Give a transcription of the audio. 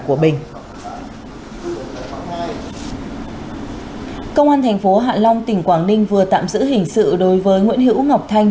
công an thành phố hạ long tỉnh quảng ninh vừa tạm giữ hình sự đối với nguyễn hữu ngọc thanh